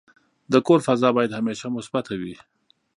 د کور فضا باید همیشه مثبته وي.